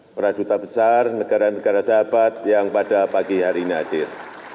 para duta besar negara negara sahabat yang pada pagi hari ini hadir